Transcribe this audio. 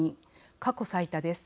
過去最多です。